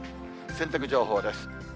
洗濯情報です。